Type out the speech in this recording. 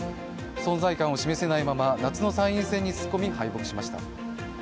存在感を示せないまま夏の参院選に突っ込み、敗北しました。